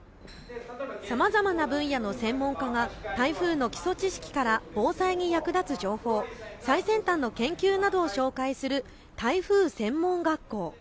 さまざまな分野の専門家が台風の基礎知識から防災に役立つ情報、最先端の研究などを紹介する台風専門学校。